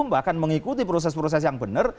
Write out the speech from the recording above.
bahkan mengikuti proses proses yang benar